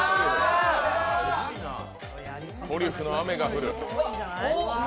トリュフの雨が降る。